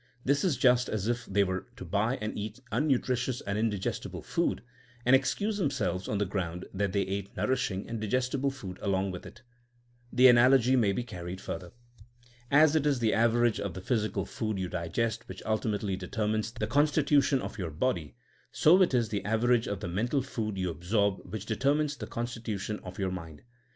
This is just as if they were to buy and eat mmutritious and in digestible food, and excuse themselves on the ground that they ate nourishing and digestible food along with it. The analogy may be carried further. As it is the average of the physical food you digest which ultimately determines the constitution of your body, so it is the average of the mental food you absorb which determines the constitu tion of your mind.